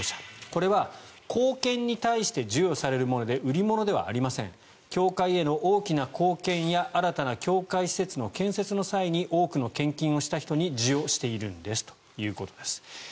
これは貢献に対して授与されるもので売り物ではありません教会への大きな貢献や新たな教会施設の建設の際に多くの献金をした人に授与しているんですということです。